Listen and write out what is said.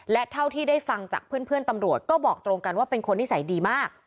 และเท่าที่ได้ฟังจากเพื่อนตำรวจก็บอกตรงกันว่าเป็นคนนิสัยดีมาก